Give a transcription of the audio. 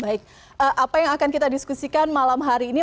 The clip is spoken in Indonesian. baik apa yang akan kita diskusikan malam hari ini